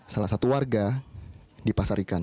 salah satu warga di pasar ikan